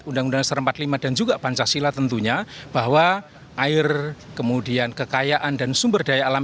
undang undang dasar empat puluh lima dan juga pancasila tentunya bahwa air kemudian kekayaan dan sumber daya alam